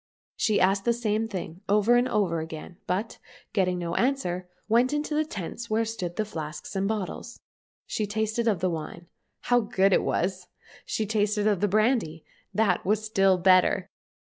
She asked the same thing over and over again, but, getting no answer, went into the tents where stood the flasks and 98 THE STORY OF TREMSIN the bottles. She tasted of the wine. How good it was ! She tasted of the brandy. That was still better.